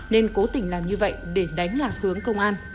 nên cố tình làm như vậy để đánh lạc hướng công an